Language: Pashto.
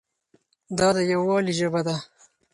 دا د یووالي ژبه ده.